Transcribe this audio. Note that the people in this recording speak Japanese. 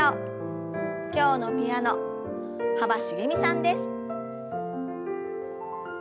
今日のピアノ幅しげみさんです。